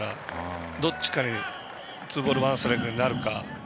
どっちかツーボールワンストライクになるか。